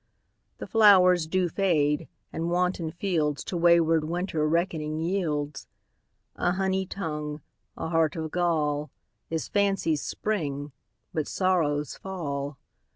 The flowers do fade, and wanton fieldsTo wayward Winter reckoning yields:A honey tongue, a heart of gall, Is fancy's spring, but sorrow's fall.